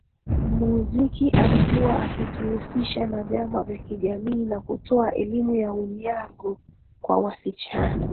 muziki alikuwa akijihusisha na vyama vya kijamii na kutoa elimu ya unyago kwa wasichana